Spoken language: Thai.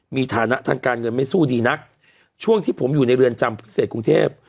มีฐานะทางการเงินไม่สู้ดีนักช่วงที่ผมอยู่ในเรือนจำพิเศษกรุงเทพ